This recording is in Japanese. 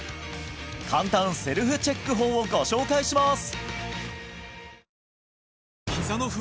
簡単セルフチェック法をご紹介します！